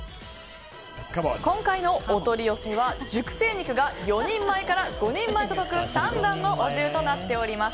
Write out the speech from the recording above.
今回のお取り寄せは熟成肉が４人前から５人前届く三段のお重となっております。